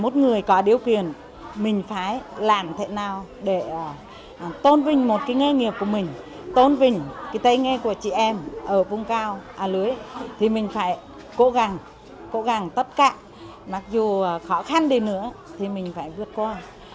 mỗi người có điều kiện mình phải làm thế nào để tôn vinh một cái nghề nghiệp của mình tôn vinh cái tay nghề của chị em ở vùng cao a lưới thì mình phải cố gắng cố gắng tất cả mặc dù khó khăn đến nữa thì mình phải vượt qua